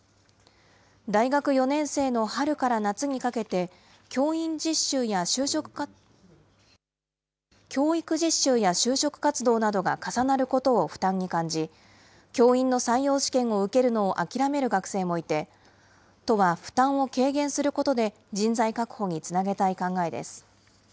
大学４年生の春から夏にかけて、教育実習や就職活動などが重なることを負担に感じ、教員の採用試験を受けるのを諦める学生もいて、都は、負担を軽減することで、人材確保につなげたい考えです。